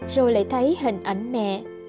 rồi lại thấy hình ảnh mẹ